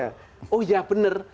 karena saya tidak benar